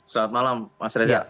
selamat malam mas reza